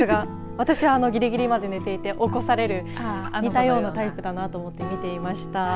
私はぎりぎりまで寝ていて起こされる似たようなタイプだなと思って見ていました。